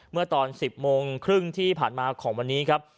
เมื่อตอน๑๐โมงครึ่งที่ผ่านมาของวันนี้ครับ